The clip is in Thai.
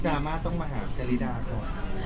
ราม่าต้องมาหาเจรีดาก่อน